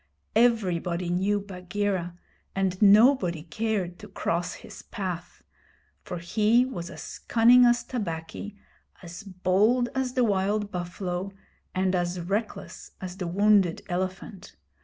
Everybody knew Bagheera, and nobody cared to cross his path; for he was as cunning as Tabaqui, as bold as the wild buffalo, and as reckless as the wounded elephant.